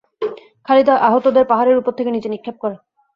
খালিদ আহতদেরকে পাহাড়ের উপর থেকে নিচে নিক্ষেপ করে।